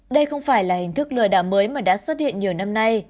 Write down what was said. đây không phải là hình thức lừa đảo mới mà đã xuất hiện nhiều năm nay